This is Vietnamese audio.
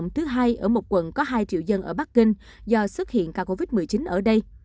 thứ hai ở một quận có hai triệu dân ở bắc kinh do xuất hiện ca covid một mươi chín ở đây